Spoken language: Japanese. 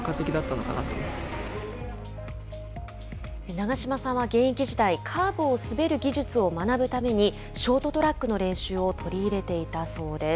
長島さんは現役時代カーブを滑る技術を学ぶためにショートトラックの練習を取り入れていたそうです。